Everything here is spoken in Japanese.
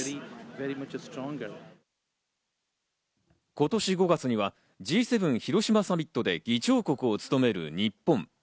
今年５月にはＧ７広島サミットで議長国を務める日本。